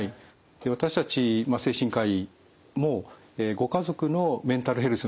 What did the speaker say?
私たち精神科医もご家族のメンタルヘルスの問題